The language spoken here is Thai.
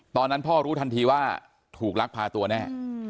ตอนนั้นพ่อรู้ทันทีว่าถูกลักพาตัวแน่